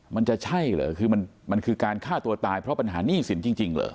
มันจะใช่เหรอคือมันคือการฆ่าตัวตายเพราะปัญหาหนี้สินจริงเหรอ